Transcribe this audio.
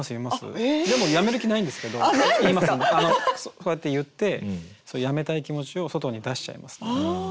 こうやって言ってやめたい気持ちを外に出しちゃいますね。